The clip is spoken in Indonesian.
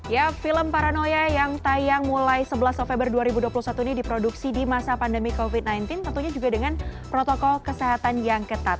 ya film paranoia yang tayang mulai sebelas november dua ribu dua puluh satu ini diproduksi di masa pandemi covid sembilan belas tentunya juga dengan protokol kesehatan yang ketat